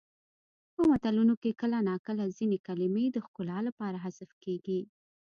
په متلونو کې کله ناکله ځینې کلمې د ښکلا لپاره حذف کیږي